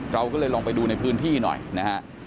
เราก็เลยลองไปดูในพื้นที่หน่อยนะฮะ